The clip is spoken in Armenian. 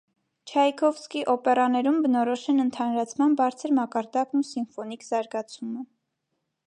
Չայքովսքի օփերաներուն բնորոշ են ընդհանրացման բարձր մակարդակն ու սիմֆոնիկ զարգացումը։